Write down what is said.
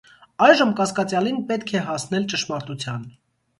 Այժմ կասկածյալին պետք է հասնել ճշմարտության։